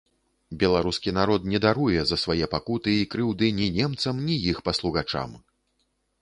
Беларускі народ не даруе за свае пакуты і крыўды ні немцам, ні іх паслугачам.